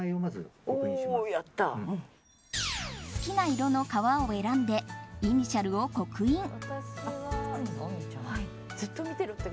好きな色の革を選んでイニシャルを刻印。